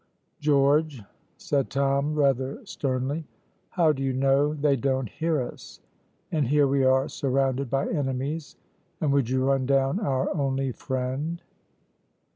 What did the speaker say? "George," said Tom, rather sternly, "how do you know they don't hear us, and here we are surrounded by enemies, and would you run down our only friend?